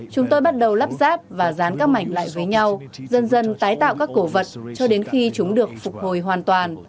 chúng tôi bắt đầu lắp ráp và dán các mảnh lại với nhau dần dần tái tạo các cổ vật cho đến khi chúng được phục hồi hoàn toàn